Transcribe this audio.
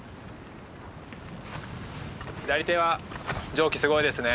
左手は蒸気すごいですね。